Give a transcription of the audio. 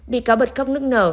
bị cáo bật cóc nước nở